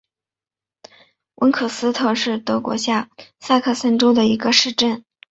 温格斯特是德国下萨克森州的一个市镇。